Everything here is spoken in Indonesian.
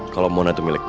kalau mona itu milik gue